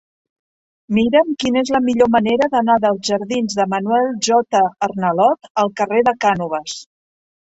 Mira'm quina és la millor manera d'anar dels jardins de Manuel J. Arnalot al carrer de Cànoves.